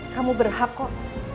kamu berhak kok